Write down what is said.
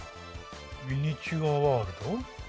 ミニチュアワールド。